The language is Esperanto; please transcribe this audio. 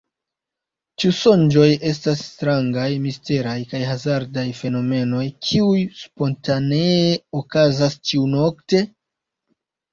Ĉu sonĝoj estas strangaj, misteraj kaj hazardaj fenomenoj, kiuj spontanee okazas ĉiu-nokte?